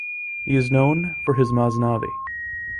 He is known for his "masnavi".